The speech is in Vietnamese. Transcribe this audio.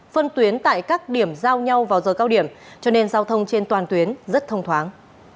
phân tuyến tại các điểm giao nhau vào giờ cao điểm cho nên giao thông trên toàn tuyến rất thông thoáng